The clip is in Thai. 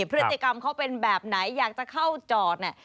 พฤติกรรมเขาเป็นแบบไหนอยากจะเข้าจอดเนี่ย